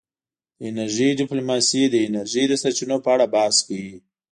د انرژۍ ډیپلوماسي د انرژۍ د سرچینو په اړه بحث کوي